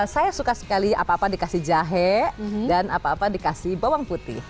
saya suka sekali apa apa dikasih jahe dan apa apa dikasih bawang putih